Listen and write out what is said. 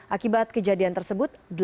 akibat kejadian tersebut